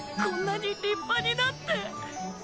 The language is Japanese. こんなに立派になって。